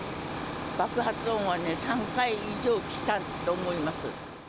爆発音はね、３回以上したと思います。